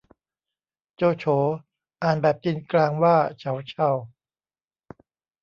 โจโฉ อ่านแบบจีนกลางว่าเฉาเชา